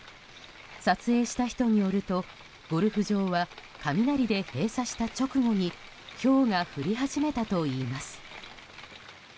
撮影した人によるとゴルフ場は雷で閉鎖した直後にひょうが降り始めたといいます。